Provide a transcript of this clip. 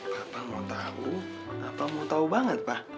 papa mau tau papa mau tau banget pak